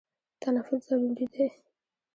تنفس ضروري دی.